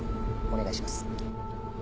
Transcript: お願いします。